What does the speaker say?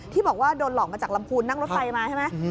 ที่บอกว่าโดนหลอกมาจากลำพูนนั่งรถไฟมาใช่ไหม